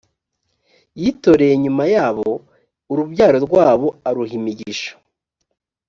yitoreye nyuma yabo urubyaro rwabo aruha imigisha